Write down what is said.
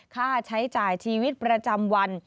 ค่าใช้จ่ายชีวิตประจำวัน